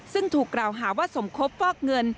ซึ่งถูกกล่าวหาว่าสมคบฟอกเงิน